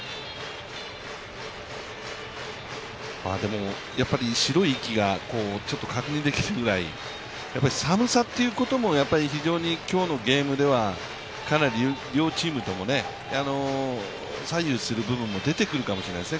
でも、白い息がちょっと確認できるぐらい寒さということも非常に今日のゲームではかなり両チームとも左右する部分も出てくるかもしれないですね。